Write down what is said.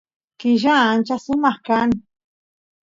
killa ancha sumaq kan